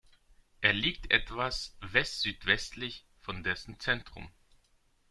Er liegt etwas westsüdwestlich von dessen Zentrum.